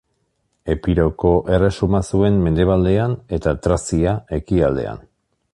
Epiroko Erresuma zuen mendebaldean eta Trazia ekialdean.